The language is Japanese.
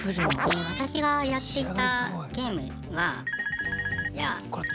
私がやっていたゲームは。